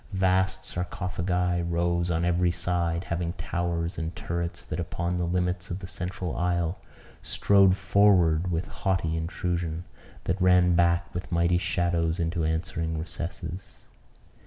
Vast sarcophagi rose on every side, having towers and turrets that, upon the limits of the central aisle, strode forward with haughty intrusion, that ran back with mighty shadows into answering recesses.